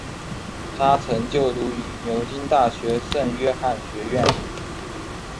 他曾就读于牛津大学圣约翰学院。